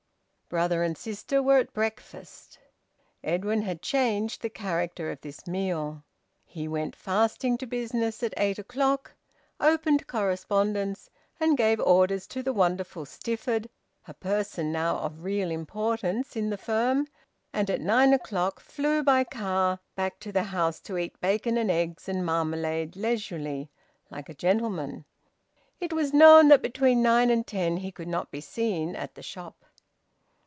Brother and sister were at breakfast. Edwin had changed the character of this meal. He went fasting to business at eight o'clock, opened correspondence, and gave orders to the wonderful Stifford, a person now of real importance in the firm, and at nine o'clock flew by car back to the house to eat bacon and eggs and marmalade leisurely, like a gentleman. It was known that between nine and ten he could not be seen at the shop.